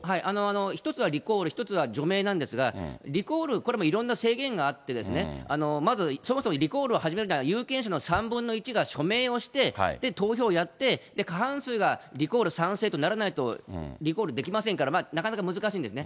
１つはリコール、１つは除名なんですが、リコール、これもいろんな制限があって、まず、そもそもリコールを始めるには有権者の３分の１が署名をして、投票やって、過半数がリコール賛成とならないと、リコールできませんから、なかなか難しいんですね。